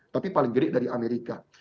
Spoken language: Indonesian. tapi paling gerik dari amerika